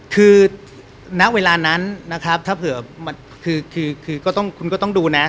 คือณเวลานั้นนะครับถ้าเผื่อคือก็ต้องคุณก็ต้องดูนะ